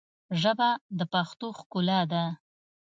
ژبه د پښتو ښکلا ده